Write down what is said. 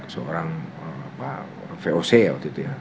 seorang voc ya waktu itu ya